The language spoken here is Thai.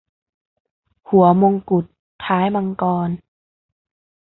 หัวมงกุฏท้ายมังกร